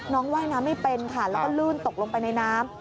ว่ายน้ำไม่เป็นค่ะแล้วก็ลื่นตกลงไปในน้ำ